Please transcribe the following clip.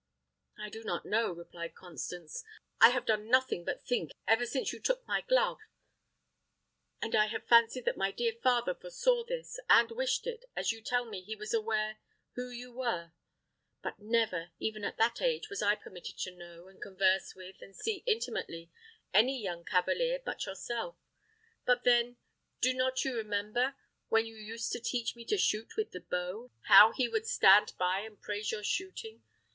"I do not know," replied Constance; "I have done nothing but think ever since ever since you took my glove; and I have fancied that my dear father foresaw this, and wished it, as you tell me he was aware who you were; for never, even at that age, was I permitted to know, and converse with, and see intimately, any young cavalier but yourself. And then, do not you remember, when you used to teach me to shoot with the bow, how he would stand by and praise your shooting?